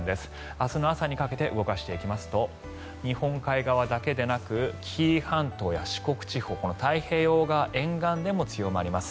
明日の朝にかけて動かしていきますと日本海側だけでなく紀伊半島や四国地方太平洋側沿岸でも強まります。